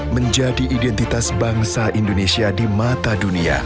menjadi identitas bangsa indonesia di mata dunia